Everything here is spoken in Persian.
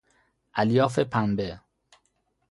الیاف پنبه